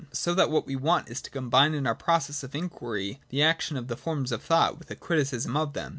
So that what we want is to combine in our process of inquiry the action of the forms of thought with a criticism of them.